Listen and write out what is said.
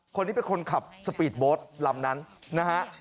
คนนี้เป็นคนขับสปีดโบสต์ลำนั้นนะฮะ